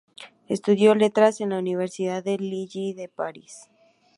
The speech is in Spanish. Estudió Letras en las universidades de Lille y de París.